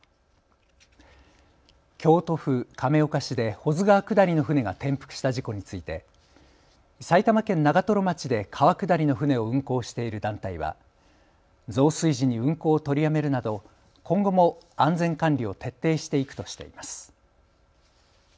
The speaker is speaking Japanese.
京都府亀岡市で保津川下りの舟が転覆した事故について埼玉県長瀞町で川下りの舟を運航している団体は増水時に運航を取りやめるなど今後も安全管理を徹底していくとしています。